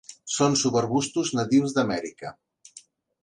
Són subarbustos nadius d'Amèrica.